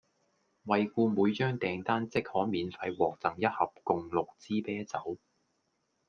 惠顧每張訂單即可免費獲贈一盒共六支啤酒